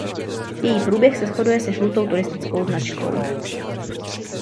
Její průběh se shoduje se žlutou turistickou značkou.